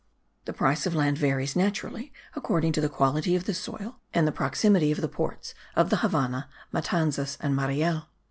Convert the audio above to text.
The price of land varies, naturally, according to the quality of the soil and the proximity of the ports of the Havannah, Matanzas and Mariel.